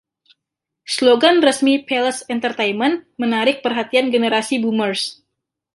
Slogan resmi Palace Entertainment menarik perhatikan generasi Boomers!